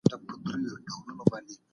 د سړي سر عايد ولي مهم دی؟